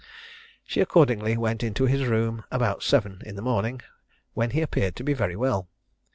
She accordingly went into his room about seven in the morning, when he appeared to be very well.